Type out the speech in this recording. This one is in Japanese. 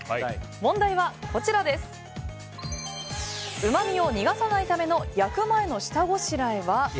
問題はうまみを逃がさないための焼く前の下ごしらえは？